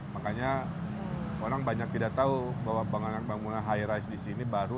makanya orang banyak tidak tahu bahwa bangunan bangunan high rice di sini baru